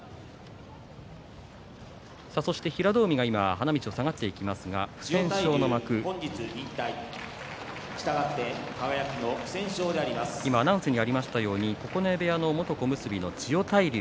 平戸海が花道を下がっていきますが、ここで不戦勝の幕今アナウンスにありますように九重部屋の元小結の千代大龍